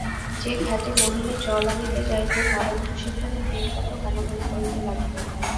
যে ঘাটে মোহিনী জল আনিতে যাইত, নরেন্দ্র সেখানে দিন কতক আনাগোনা করিতে লাগিলেন।